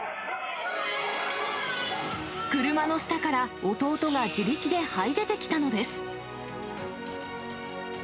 車の下から弟が自力ではい出てきたのです。